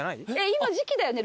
今時季だよね？